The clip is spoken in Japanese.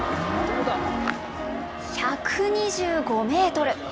１２５メートル。